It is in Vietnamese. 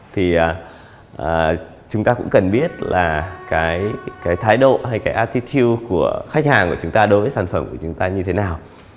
thì chúng ta cũng cần biết là cái thái độ hay cái atitu của khách hàng của chúng ta đối với sản phẩm của chúng ta như thế nào